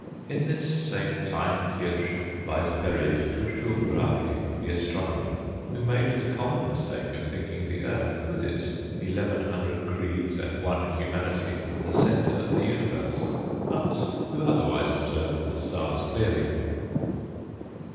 In this same Teynkirche lies buried Tycho Brahe, the astronomer, who made the common mistake of thinking the earth, with its eleven hundred creeds and one humanity, the centre of the universe; but who otherwise observed the stars clearly.